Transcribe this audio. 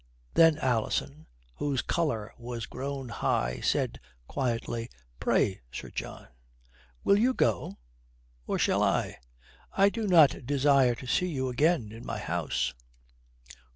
Then Alison, whose colour was grown high, said quietly, "Pray, Sir John, will you go or shall I? I do not desire to see you again in my house."